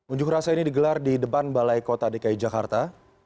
unjuk rasa ini digelar di depan balai kota dki jakarta